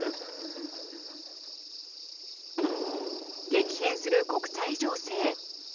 激変する国際情勢。